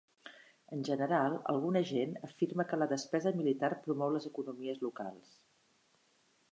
En general, alguna gent afirma que la despesa militar promou les economies locals.